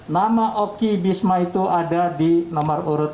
nama oki bisma itu ada di nomor urut tiga